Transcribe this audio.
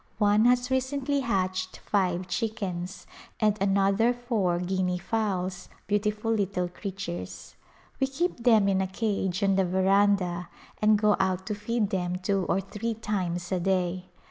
One has recently hatched five chickens, and another four guinea fowls, beautiful little creatures. We keep them in a cage on the veranda and go out to feed them two or three times a day.